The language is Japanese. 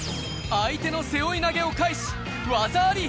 相手の背負い投げを返し、技あり。